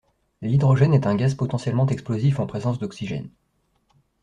L’hydrogène est un gaz potentiellement explosif en présence d’oxygène.